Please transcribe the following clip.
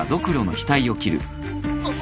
あっ。